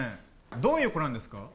どういう子なんですか？